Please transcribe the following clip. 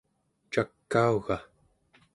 cakauga?